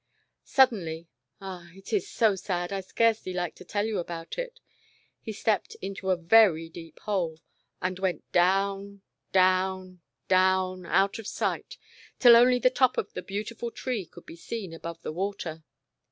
Suddenly — ah, it is so sad, I scarcely like to tell you about it — he stepped into a very deep hole, and went down, down, down out of sight, till only the top of the beautiful tree could be seen above the water